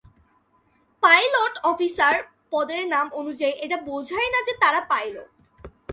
Pilot officer পদের নাম অনুযায়ী এটা বোঝায় না যে তারা পাইলট।